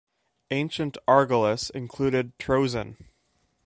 Ancient Argolis included Troezen.